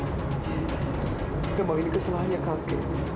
memang ini kesalahannya kakek